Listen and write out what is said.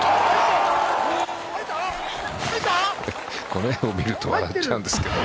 この映像を見ると笑っちゃうんですけど。